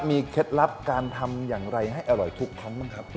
มีเคล็ดลับการทำอย่างไรให้อร่อยทุกครั้งบ้างครับ